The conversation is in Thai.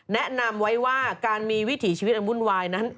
แนะนำไว้ว่าการมีวิถีชีวิตอันวุ่นวายนั้น